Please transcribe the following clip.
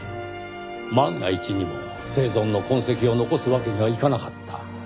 万が一にも生存の痕跡を残すわけにはいかなかった。